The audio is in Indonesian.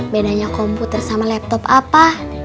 bedanya komputer sama laptop apa